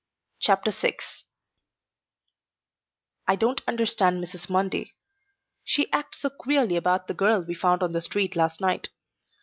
CHAPTER VI I don't understand Mrs. Mundy. She acts so queerly about the girl we found on the street last night.